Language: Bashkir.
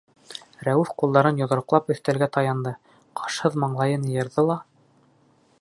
Рәүеф ҡулдарын йоҙроҡлап өҫтәлгә таянды, ҡашһыҙ маңлайын йыйырҙы ла: